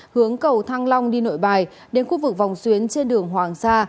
hướng cầu thăng long đi nội bài đến khu vực vòng xuyến trên đường hoàng sa